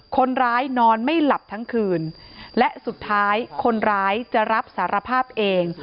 นอนไม่หลับทั้งคืนและสุดท้ายคนร้ายจะรับสารภาพเอง